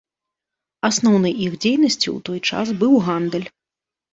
Асноўнай іх дзейнасцю ў той час быў гандаль.